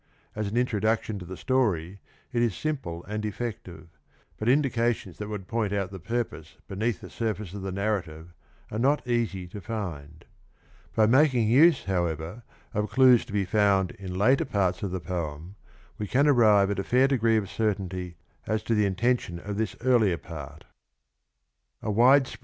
As an introduction to the story it is simple and effective, but indications that would point out the purpose beneath the surface of the narrative are not easy to find. By making use, however, of clues to be found in later parts of the poem we can arrive at a fair degree of certainty as to the intention of this earlier part.